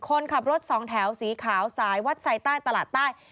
คนขับรถสองแถวสีขาวสายวัดไซใต้ตลาดใต้